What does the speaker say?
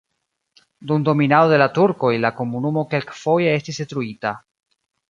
Dum dominado de la turkoj la komunumo kelkfoje estis detruita.